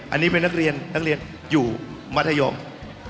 อันนี้เป็นนักเรียนนักเรียนอยู่มัธยม